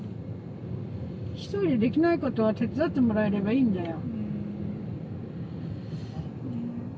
ひとりでできないことは手伝ってもらえればいいんだよ。